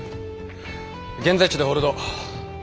現在地でホールド。